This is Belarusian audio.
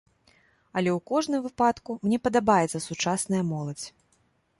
Але ў кожным выпадку, мне падабаецца сучасная моладзь.